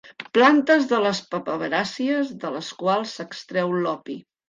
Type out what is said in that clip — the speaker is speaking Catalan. Plantes de les papaveràcies de les quals s'extreu l'opi.